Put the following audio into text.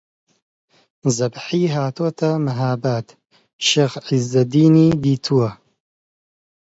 زەبیحی هاتۆتە مەهاباد شێخ عیززەدینی دیتووە